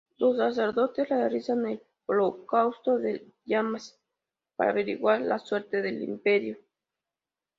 Los sacerdotes realizan el holocausto de llamas para averiguar la suerte de Imperio.